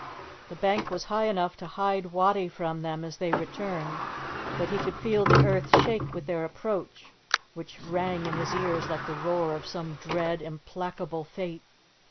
The bank was high enough to hide Wattie from them as they returned, but he could feel the earth shake with their approach, which rang in his ears like the roar of some dread, implacable fate.